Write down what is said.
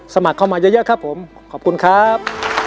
สมัครเข้ามาเยอะครับผมขอบคุณครับ